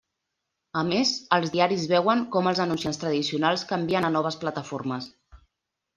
A més, els diaris veuen com els anunciants tradicionals canvien a noves plataformes.